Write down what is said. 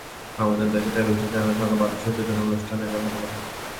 আমাদের দেশের টেলিভিশন চ্যানেলের সংখ্যা বাড়লেও শিশুদের জন্য অনুষ্ঠান একবারে হাতে গোনা।